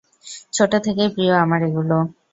ছোট থেকেই প্রিয় আমার এগুলো।